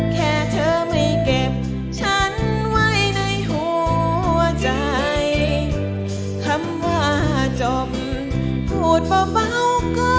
แค่เธอไม่เก็บฉันไว้ในหุ้น